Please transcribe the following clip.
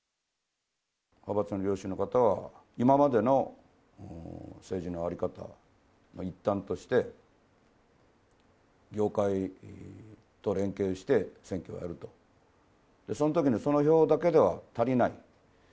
派閥の領袖の方は、今までの政治の在り方の一端として、業界と連携して選挙をやると、そのときにその票だけでは足りない。